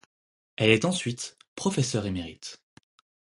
Elle est ensuite professeur émérite.